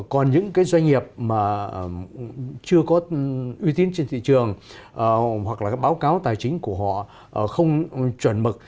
còn những cái doanh nghiệp mà chưa có uy tín trên thị trường hoặc là cái báo cáo tài chính của họ không chuẩn mực